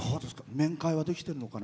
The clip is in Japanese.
面会はできてるのかな？